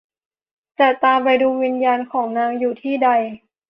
จะตามไปดูวิญญาณของนางอยู่ที่ใด